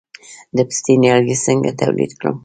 د پستې نیالګي څنګه تولید کړم؟